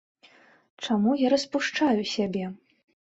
Чаму я распушчаю сябе?